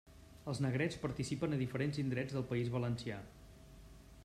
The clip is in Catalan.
Els negrets participen a diferents indrets del País Valencià.